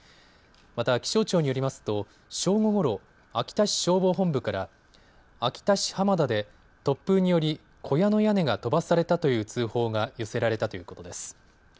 また気象庁によりますと正午ごろ、秋田市消防本部から秋田市浜田で突風により、小屋の屋根が飛ばされたという通報が寄せられたということです。